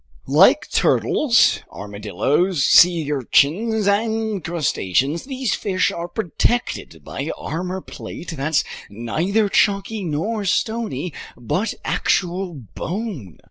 Like turtles, armadillos, sea urchins, and crustaceans, these fish are protected by armor plate that's neither chalky nor stony but actual bone.